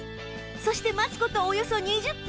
そして待つ事およそ２０分